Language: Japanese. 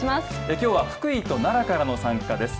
きょうは福井と奈良からの参加です。